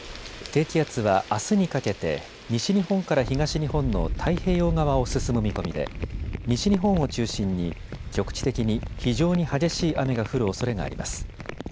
低気圧はあすにかけて西日本から東日本の太平洋側を進む見込みで西日本を中心に局地的に非常に激しい雨が降るおそれがあります。